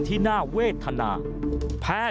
มันกลับมาแล้ว